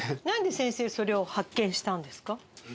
なんで先生それを発見したんですか？